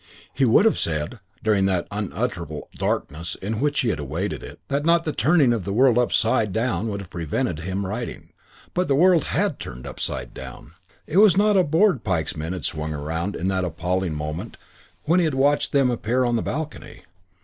He would have said, during that unutterable darkness in which he had awaited it, that not the turning of the world upside down would have prevented him writing; but the world had turned upside down. It was not a board Pike's men had swung around in that appalling moment when he had watched them appear on the balcony.